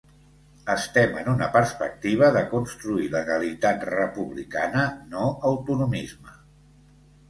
Estem en una perspectiva de construir legalitat republicana, no autonomisme.